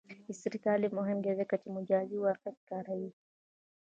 عصري تعلیم مهم دی ځکه چې مجازی واقعیت کاروي.